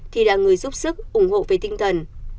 thì là người giúp sức ủng hộ về tinh thần